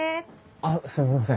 あっすみません。